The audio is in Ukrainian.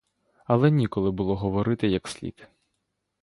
Але ніколи було говорити як слід.